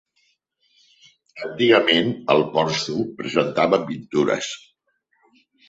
Antigament el porxo presentava pintures.